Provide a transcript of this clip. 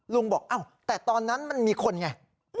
ลุงบอกอ้าวแต่ตอนนั้นมันมีคนไง